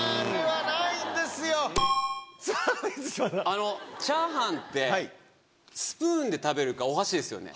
あの炒飯ってスプーンで食べるかお箸ですよね。